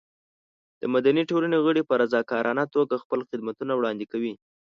د مدني ټولنې غړي په رضاکارانه توګه خپل خدمتونه وړاندې کوي.